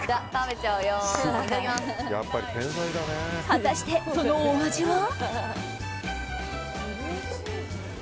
果たして、そのお味は？